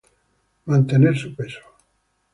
mantener su peso